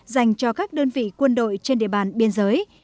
dành cho các đơn vị quân đội trên địa bàn biên giới